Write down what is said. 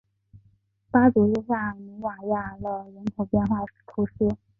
巴祖日下努瓦亚勒人口变化图示